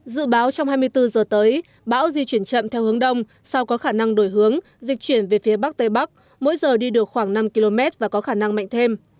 dự báo trong hai mươi bốn giờ tới bão di chuyển chậm theo hướng đông sau có khả năng đổi hướng di chuyển về phía bắc tây bắc mỗi giờ đi được khoảng năm km và có khả năng mạnh thêm